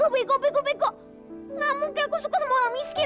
nggak mungkin aku suka sama orang miskin